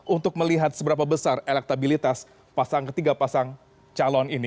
untuk melihat seberapa besar elektabilitas ketiga pasang calon ini